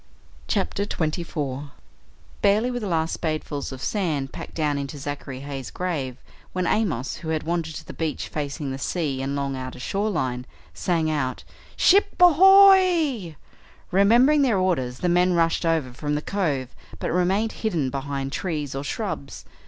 CHAPTER 24 Barely were the last spadefuls of sand packed down into Zachary Heigh's grave when Amos, who had wandered to the beach facing the sea and long outer shoreline, sang out: "Ship ahoy!" Remembering their orders the men rushed over from the cove but remained hidden behind trees or shrubs.